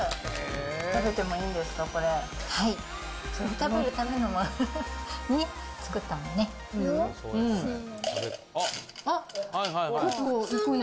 食べるためのものなので、作ったもんね。